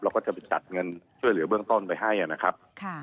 ก็จะไปจัดเงินช่วยเหลือเบื้องต้นไปให้นะครับ